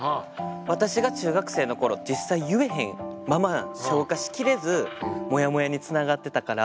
私が中学生の頃実際言えへんまま消化しきれずモヤモヤにつながってたから。